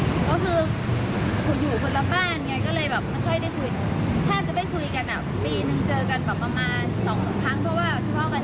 แทบจะไปคุยกันปีนึงเจอกันประมาณ๒๓ครั้ง